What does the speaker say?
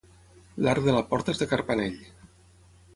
L'arc de la porta és de carpanell.